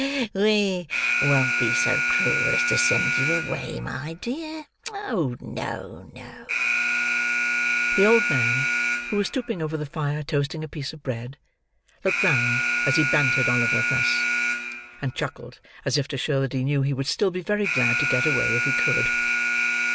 Ha! ha! ha! We won't be so cruel as to send you away, my dear. Oh no, no!" The old man, who was stooping over the fire toasting a piece of bread, looked round as he bantered Oliver thus; and chuckled as if to show that he knew he would still be very glad to get away if he could.